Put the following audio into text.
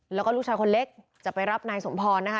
แล้วก็ลูกชายคนเล็กจะไปรับนายสมพรนะคะ